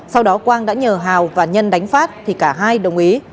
sau đó quang đã nhờ hào và nhân đánh phát thì cả hai đồng ý